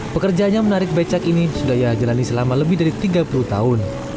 pekerjaannya menarik becak ini sudah ia jalani selama lebih dari tiga puluh tahun